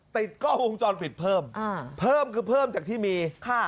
ติดกล้องวงจรปิดเพิ่มอ่าเพิ่มเพิ่มคือเพิ่มจากที่มีค่ะ